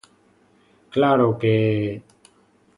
Claro que...